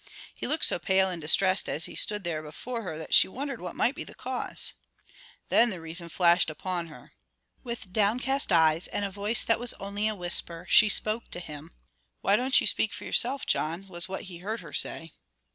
He looked so pale and distressed as he stood there before her that she wondered what might be the cause. Then the reason flashed upon her. With downcast eyes and a voice that was only a whisper she spoke to him. "Why don't you speak for yourself, John?" was what he heard her say.